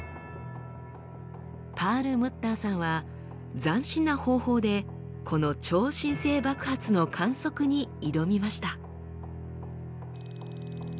パールムッターさんは斬新な方法でこの超新星爆発の観測に挑みました。